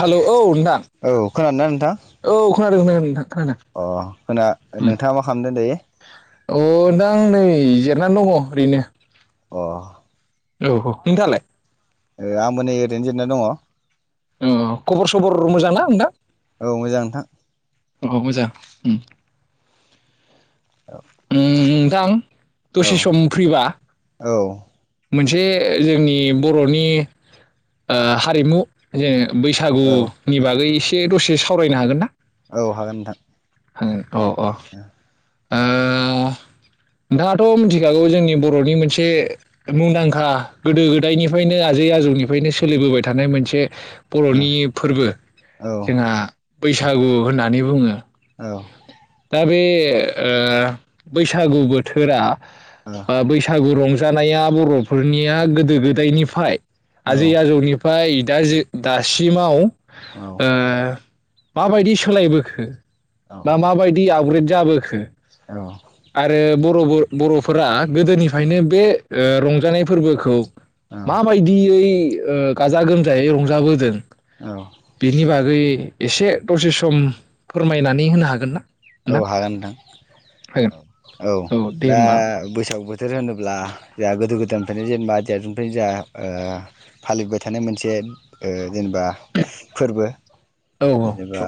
Hello औ नोंथां औ खोनादोंना नोंथां औ खोनादों खोना नोंथां खोनादोना अ खोना अम नोंथाङा मा खालामदों दायो औ नोंथां नै जिरायनानै दङ ओरैनो अ औ औ नोंथांआलाय ए आंबो नै ओरैनो जिरायना दङ। अ खबर सबर मोजां ना नोंथां औ मोजां नोंथां औ मोजां अम अम नोंथां औ दसे सम फ्रिबा औ मोनसे जोंनि बर'नि ओ हारिमु जे औ बैसागुनि बागै दे दसे सावरायनो हागोन ना औ हागोन नोंथां। हागोन। औ औ ओ नोंथाङाथ मिन्थिखागौ जोंनि बरनि मोनसे मुंदांखा गोदो गोदायनिफ्रायनो आजै आजौनिफ्रायनो सोलिबोबाय थानाय मोनसे औ बर'नि फोरबो औ जोंहा बैसागु होननानै बुङो। औ दा बे ओ बैसागु बोथोरा ओ बैसागु रंजा जानाया बरफोरनिया गोदो गोदायनिफाय आजै आजौनि फ्राय दाजि दासिमाव औ माबायदि सोलायबोखो दा माबायदि आपग्रेद जाबोखो औ आरो बरबो बर'फोरा गोदोनिफ्रायनो बे ओ रंजानाय फोरबोखौ औ मा बायदियै ओ गाजा गोमजायै रंजाबोगोन बेनि बागै एसे दसे सम फोरमायनानै होनो हागोन ना? औ नोंथां हागोन हागोन नोंथां औ दे दा होमबा बैसागु बो थोर होनोब्ला जोंहा गोदो गोदायनिफ्रायनो जेनेबा देरजुनफ्रायनो जोंहा ओ फालिबोबाय थानाय मोनसे ओ जेनेबा फोरबो औ औ जेनेबा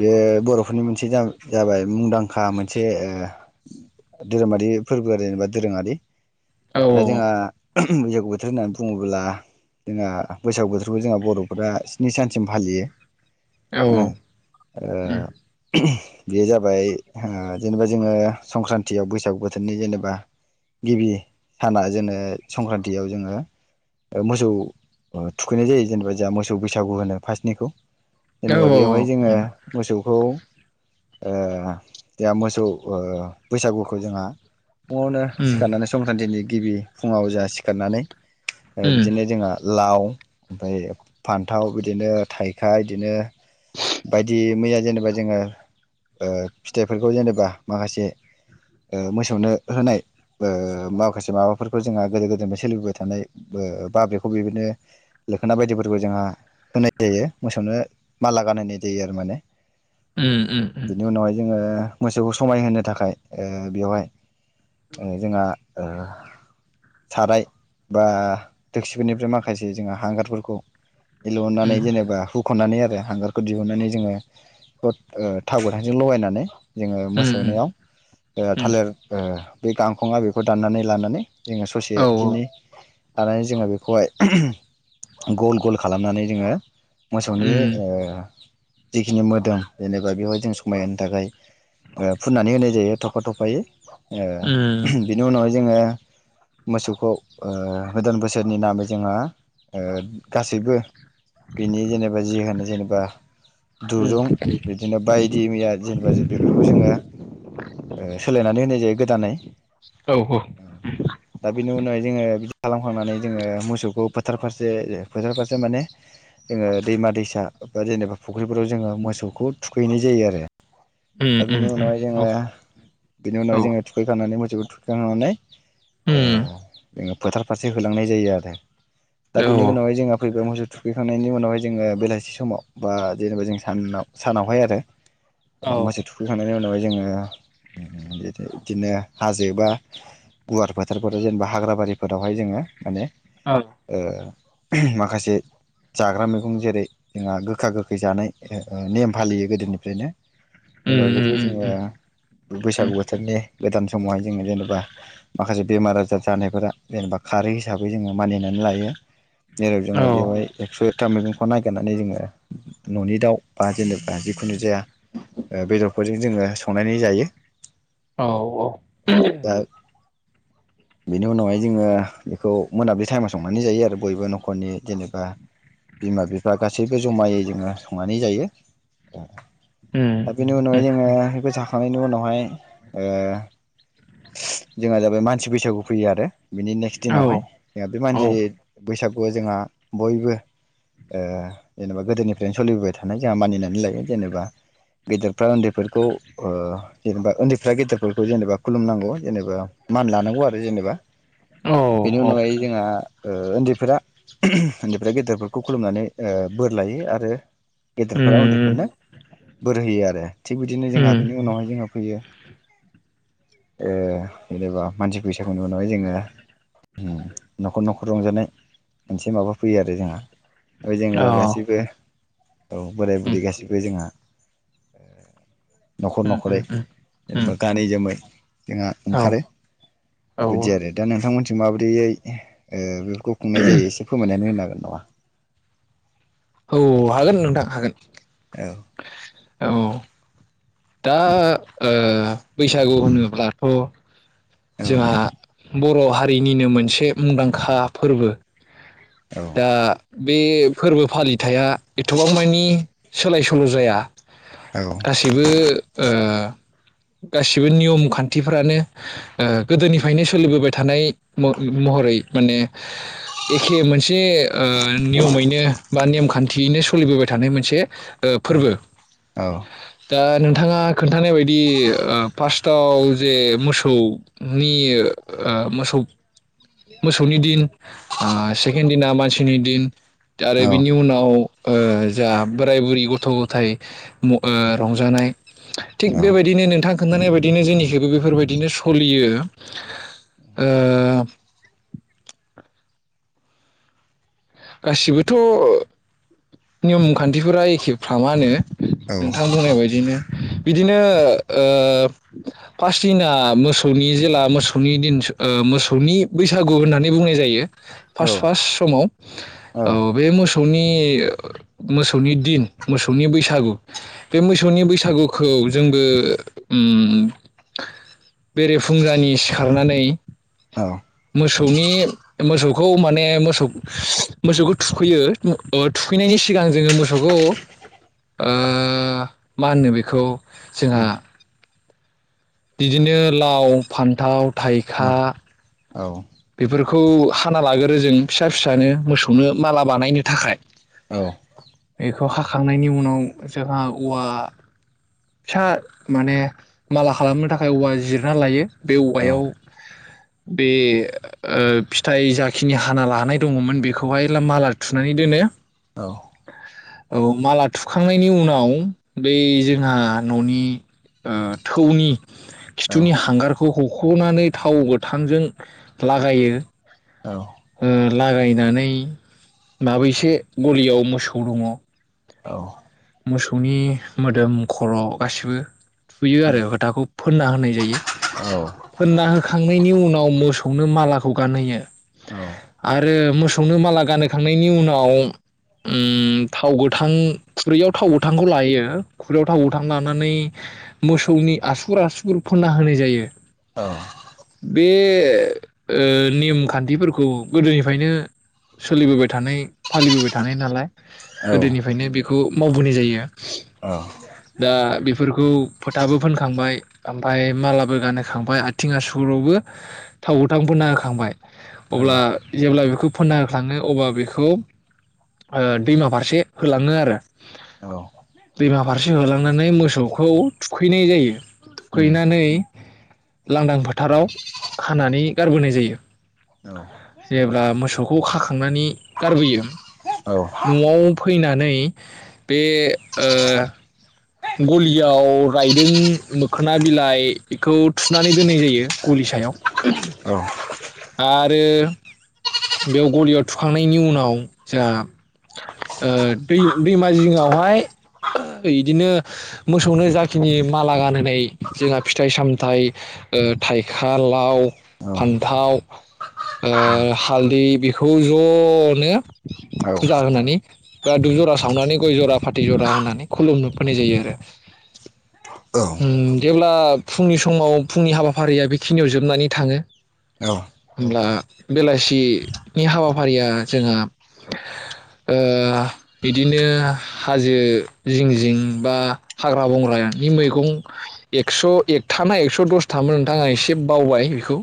बेयो बर'फोरनि मोनसे जाम जाबाय मुंदांखा मोनसे ओ धोरोमारि फोरबो आरो जेनेबा दोरोङारि। औ ओ जोंहा [unintelligible] बैसागु बोथोर होननानै बुङोब्ला जोंहा बैसागु बोथोरखौ जोंहा बर'फ्रा स्नि सानसिम फालियो। औ ओं ओ [unintelligible] बेयो जाबाय होन्ङ जेनेबा जोङो संक्रान्तियाव बैसागु बोथोरनि जेनेबा गिबि साना जोनो संक्रान्तियाव जोङो ओ मोसौ ओ थुखैनाय जायो जेनेबा जोंहा मोसौ बैसागु होनो फार्स्टनिखौ। औ जेनेबा बेवहाय उम जोङो मोसौखौ ओ जोंहा मोसौ ओ बैसागुखौ जोंहा फुंआवनो सिखारनानै संख्रान्थिनि गिबि फुंआव जोहा सिखारनानै ओ उम बिदिनो जोंहा लाव, ओमफ्राय फान्थाव बिदिनो थाइखा इदिनो बायदि मैया जेनेबा जोङो ओ फिथाइफोरखौ जेनेबा माखासे ओ मोसौनो होनाय ओ माखासे माबाफोरफो जोंहा गोदो गोदायनिफ्राय सोलिबोबाय थानाय बो बा बेखौ बेदिनो लोखोना बायदिफोरबो जोंहा होनाय जायो। मोसौनो माला गानहोनाय जायो आरो माने उम उम उम बिनि उनावहाय जोङो मोसौखौ समायहोनो थाखाय ओ बेवहाय ओ जोंहा ओ साराय बा दोकसिफोरनिफ्राय माखासे जोंहा हांगारफोरखौ उम इलुननानै जेनेबा हुख'नानै आरो हांगारखौ दिहुननानै जोङो [unintelligible] ओ थाव गोथांजों लगायनानै जोङो उम उम मोसौनियाव ओ उम थालिर ओ बे गांखंआ बेखौ दाननानै लानानै जोङो औ औ ससेखिनि लानानै जोङो बेखौहाय [unintelligible] गल गल खालामनानै जोङो मोसौनि उम ओ जिखिनि मोदोम जेनेबा बेहाय जों समायहो थाखाय फुननानै होनाय जायो थफा थफायै ओ उम बेनि उनावहाय जोङो मोसौखौ ओ गोदान बोसोरनि नामै जोंहा ओ गासैबो बिनि जेनेबा जि होनो जेनेबा उम दुरुं बिदिनो बाय बि मैया जेनेबा बेफोरखौ जोङो ओ सोलायनानै होनाय जायो गोदानै औ दा बेनि उनावहाय जोङो बिदि खालामखांनानै जोङो मोसौखौ फोथार फारसे फोथार फारसे माने जोङो दैमा-दैसा बा जेनेबा फुख्रिफोराव जोङो मोसौखौ थुखैनाय जायो आरो उम दा उम उम बेनि उनावहाय औ जोङो बेनि औ उनावहाय जोङो थुखै खानानै मोसौखौ थुखांनानै ओ उम बे फोथार फारसे होलांनाय जायो आरो दा बेनि उनावहाय जोंहा फैबाय मोसौ थुखैखांनायनि उनावहाय जोङो बेलासि समाव बा जेनेबा जों सानाव सानावहाय आरो औ औ मोसौ थुखैखांनायनि उनाव जोङो बिदिनो हाजो बा गुवार फोथारफोराव जेनेबा हाग्र बारिफोरावहाय जोङो माने औ ओ माखासे जाग्रा मैगं जेरै जोंहा गोखा-गोखै जानाय नेम फालियो गोदोनिफ्रायनो उम जेबा उम बेफोरखौ उम जोङो उम उम बैसागु बोथोरनि गोदान समावहाय जोङो जेनेबा माखासे बेमार आजार जानायफोरा जेनेबा खारै हिसाबै जोङो मानिनानै लायो। जेराव औ जोङो बेवहाय एक्स' था मैगंखौ ननायागिरनानै जोङो न'नि दाउ बा जेनेबा जिखुनु जाया बेदरफोरजों जोङो संनानै जायो। औ औ दा बेनि उनावहाय जोङो बेखौ मोनाब्लि टाइमाव संनानै जायो आरो बयबो न'खरनि जेनेबा बिमा-बिफा गासैबो जमायै जोङो संनानै जायो। उम दा बेनि उनावहाय उम जोङो बे जा थांनायनि उनावहाय ओ जोंहा जाबाय मानसि बैसागु फैयो आरो बिनि नेक्स्ट औ दिनावहाय जोंहा बे औ मानसि बैसा खौ जोंहा बयबो ओ जेनेबा गोदोनिफ्रायनो सोलिबोबाय थानाय जोंहा मानिनानै लायो जेनेबा गेदर फ्रा उन्दैफोरखौ ओ जेनेबा उन्दैफ्रा गेदेरफोरखौ जेनेबा खुलुमनांगौ जेनेबा मान लानांगौ आरो जेनेबा औ बेनि औ उनावहाय जोंहा ओ उन्दै फोरा उन्दैफोरा गेदेरफोरखौ खुलुमनानै ओ बोर लायो आरो गेदेरफोरा उम उन्दैफोरनो बोर होयो आरो। थिग बिदिनो जोंहा उम बिनि उनावहाय जोङो फैयो ओ जेनेबा मानसि बै औनुनाय जोङो उम न'खर न'खर रंजानाय मोनसे माबा फैयो आरो जोंहा। ओ जोङो अ गासिबो औ बोराय उम बुरि गासिबो जोंहा न'खर उम न'खरै उम उम उम जेनेबा गानै जोमै जोंहा औ ओंखारो औ बिदि आरो दा नोंथांमोनथि माब्रैयै ओ बेफो खौ खुंनाय जायो एसे फोरमायनानै होनो हागोन नामा? औ हागोन नोंथां हागोन। औ औ दा ओ बैसागु होनब्लाथ' औ जोहा बर' हा रिनिनो मोनसे मुंदांखा फोरबो। औ दा बे फोरबो फालिथाइया एथबां मानि सोलाय सोल' जाया गासैबो ओ गासिबो नियम खान्थिफ्रानो ओ गोदोनिफ्रायनो सोलिबोबाय थानाय म-महरै माने एखे मोनस से ओ नियमैनो बा नेम खान्थियैनो स सोलिबोबाय थानाय मोनसे ओ फोरबो औ दा नों थाङा खोन्थानाय बायदि ओ फार्स्टआव जे मोसौनि ओ मोसौ मोसौनि दिन आ सि खेन दिना मानसिनि दिन। आरो बिनि उनाव ओ जा बोराइ बुरि गथ'-गथाइ म ओ रंजानाय थिग औ बेबायदिनो नोंथां खोन्थानाय बायदिनो जोंनिखैबो बेफोर बायदिनो सलियो ओ गासिबोथ' नियम खान्थिफोरा एखेफ्रामानो नोंथां बुंनाय बायदिनो। बिदिनो ओ फासदिना मोसौनि जेला मोसौनि दिन ओ मोसौनि बैसागु होननानै बुंनाय जायो। औ फार्स्ट फास समाव जागोन औ बे मोसौनि मोसौनि दिन मोसौनि बैसागु बे मोसौनि बैसागुखौ जोंबो उम बेरेफुंजानि सिखारनानै अ सौनि मोसौखौ माने मोसौ मोसौखौ थुखैयो थुखैनायनि सिगां जोंङो मोसौखौ ओ मा होनो बेखौ? जोंहा बिदिनो लाव फान्थाव थाइखा औ बेफोरखौ हाना लागोरो जों फिसा फिसानो मोसौनो माला बानायनो थाखाय। बेख खौ हाखांनायनि उनाव जोंहा औवा फिसा माने माला खालामनो थाखाय औवा जिरना लायो। बे औवायाव बे ओ फिथाइ जाखिनि हाना लानाय दङ'मोन बेखौहाय माला थुनानै दोनो। औ माला थुखांनायनि उनाव बै जोंहा न'नि ओ थौनि खिथुनि हांगारखौ ह ख'नानै थाव गोथांजों लागायो औ लागायनानै माबैसे गलियाव मोसौ दङ'। औ मोसौनि मोदोम खर' गासिबो थुयो आरो फोथाखौ फोनना होनाय जायो फोनना होखांनायनि उनाव मोसौ [unintelligible] मालाखौ गानहोयो। आरो मो नो माला गानहोखांनायनि उनाव उम्म थाव गोथां खुरैयाव थाव गोथांखौ लायो। खुरैयाव थाव गोथां लानानै मोसौनि आसुुर आसुगुर फोनना होनाय जायो। बे ओ नियम खान्थिफोरखौ गोदोनिफ्रायनो सोलिबोबाय थानाय फालिबोबाय थानाय नालाय गोदोनिफ्रायनो बे खौ मावबोनाय जायो। दा बेफोरखौ फोथाबो फोनखांबाय ओमफ्राय मालाबो गानहोखांबाय आथिं आसुगुरावबो थाव गोथां फोनना होखांबाय अब्ला जेब्ला बेखौ फोना होखाङो अबा बेखौ दैमा फारसे होलाङो आरो औ जिङाव लांनानै मोसौखौ थुखैनाय जायो। फैनानै लांदां फा थाराव खानानै गारबोनाय जायो। जेब्ला मोसौ खौ खाखां नानै गारबोयो न'आव फैनानै बे ओ गलियाव रायदों मोखोना बिलाइ बेखौ थुनानै दोननाय जायो। गलि सायाव आरो बेयाव गलियाव थुखांनायनि उनाव जोंहा ओ दै-दैमा जिङावहाय इदिनो मोसौनो जाखिनि माला गानहोनाय जोंहा फिथाइ सामथाइ ओ थाइखा लाव फान्थाव ओ हालदै बेखौ ज'नो फुजा होनानै बा धुब ज'रा सावनानै गय ज'रा फाथै ज'रा होनानै खुलुमनो फैनाय जायो आरो उम जेब्ला फुंनि समाव फुंनि हाबाफारिया बेखिनियाव जोबनानै थाङो होमब्ला बेलासि नि हाबाफारिया जोंहा ओ बिदिनो हाजो जिं जिं बा हाग्रा बंग्रानि मैगं एकस' एकथा ना एकस' दसथामोन नोंथां आं एसे बावबाय बेखौ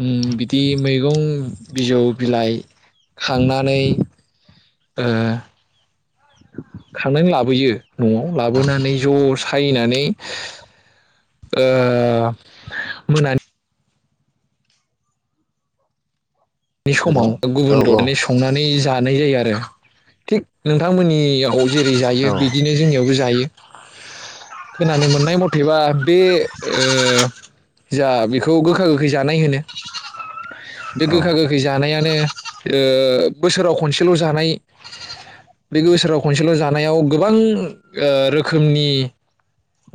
उम बिदि मैगं बिजौ बिलाइ खांनानै ओ खांनानै लाबोयो न'आव लाबोनानै ज' सायनानै ओ मोनानि बे समाव गुबुन ददनै संनानै जा नाय जायो आरो थिक नोंथांमोनियाव जेरै जायो बिदिनो जोंनियावबो जायो। खोनानो मोन्नाय मथेबा बे ओ जोंहा बेखौ गोखा गोखै जानाय होनो बे गोखा गो जानायानो ओ बोसोराव खनसेल' जानाय बे बोसोराव खनसेल' जानायाव गोबां ओ रोखोमनि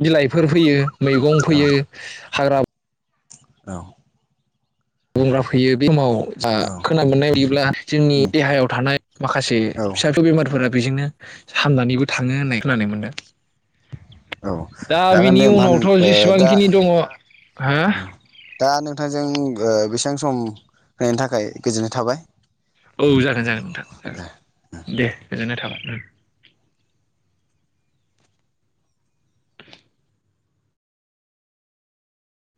बिलाइफोर होयो मैगं होयो हाग्रा बंग्रा फोयो बे समाव ओ खोनानो मोननाय बादिब्ला जोंनि देहायाव थानाय माखासे फिसा फिसौ बेमारफोरा बेजोंनो हामनानैबो थाङो होननाय खोनानो मोनदों। दा बिनि उनावथ' दा जेसेबांखिनि दङ हा? दा नोंथांजों ओ बेसेबां सम होनायनि थाखाय गोजोननाय थाबाय। औ जागोन जागोन नोंथां दे जागोन। दे गोजोननाय थाबाय उम।